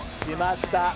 きました！